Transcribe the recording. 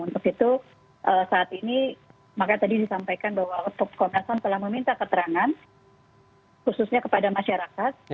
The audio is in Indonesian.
untuk itu saat ini makanya tadi disampaikan bahwa komnas ham telah meminta keterangan khususnya kepada masyarakat